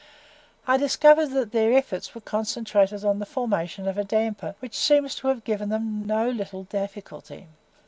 I discovered that their efforts were concentrated on the formation of a damper, which seemed to give them no little difficulty.